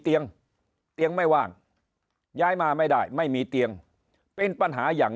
เตียงเตียงไม่ว่างย้ายมาไม่ได้ไม่มีเตียงเป็นปัญหาอย่าง